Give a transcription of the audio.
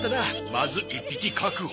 まず１匹確保。